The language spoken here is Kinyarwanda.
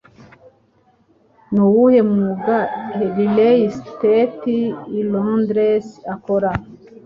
Nuwuhe mwuga Harley Street i Londres akora?